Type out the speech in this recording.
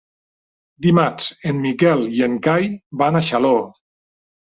Dimarts en Miquel i en Cai van a Xaló.